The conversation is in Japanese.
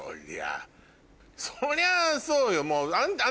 そりゃあそうよ。